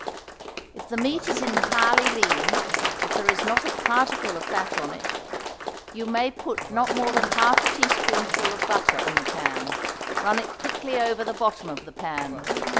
If the meat is entirely lean, if there is not a particle of fat on it, you may put not more than half a teaspoonful of butter in the pan; run it quickly over the bottom of the pan.